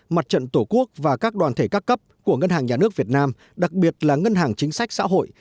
mặt trận tổ quốc và các đoàn thể các cấp của ngân hàng nhà nước việt nam đặc biệt là ngân hàng chính sách xã hội